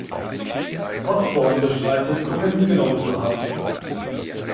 Osborne bestreitet, Kokain genommen zu haben.